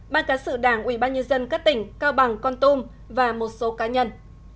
ban cán sự đảng ủy ban nhân dân các tỉnh cao bằng con tum và một số cá nhân